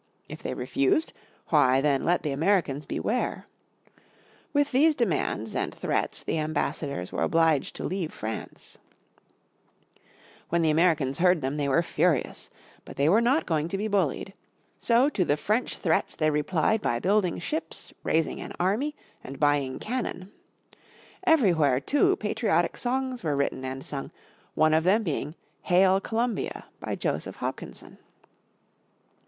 If they refused, why, then let the Americans beware. With these demands and threats the ambassadors were obliged to leave France. But they were not going to be bullied. So to the French threats they replied by building ships, raising an army, and buying cannon. Everywhere, too, patriotic songs were written and sung, one of them being, "Hail Columbia," by Joseph Hopkinson.